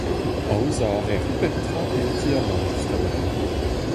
Aozañ a reer pep tra en ti amañ, just a-walc'h.